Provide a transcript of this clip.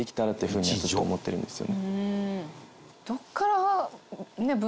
ふうにはずっと思ってるんですよね。